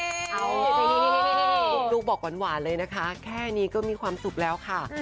เอาลูกบอกหวานเลยนะคะแค่นี้ก็มีความสุขแล้วค่ะ